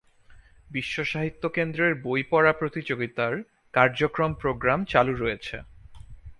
বিশ্ব সাহিত্য কেন্দ্রের বই পড়া প্রতিযোগিতার কার্যক্রম-প্রোগ্রাম চালু রয়েছে।